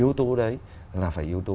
yếu tố đấy là phải yếu tố